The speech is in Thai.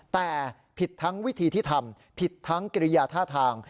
แต่ผิดทั้งวิธีที่ทำผิดทั้งกิริยาท่าทาง